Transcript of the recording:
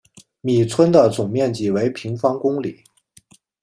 米村的总面积为平方公里。